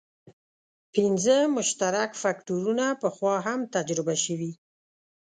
پنځه مشترک فکټورونه پخوا هم تجربه شوي.